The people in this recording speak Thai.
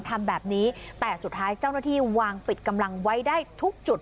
ทำแบบนี้แต่สุดท้ายเจ้าหน้าที่วางปิดกำลังไว้ได้ทุกจุด